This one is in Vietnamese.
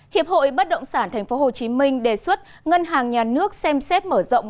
hiệp hội bất động sản tp hcm đề xuất ngân hàng nhà nước xem xét mở rộng